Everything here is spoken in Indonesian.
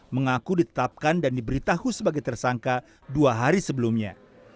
mengaku ditetapkan dan diberitahu sebagai tersangka dua hari sebelumnya